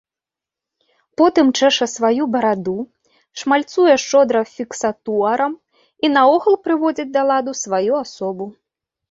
Потым чэша сваю бараду, шмальцуе шчодра фіксатуарам і наогул прыводзіць да ладу сваю асобу.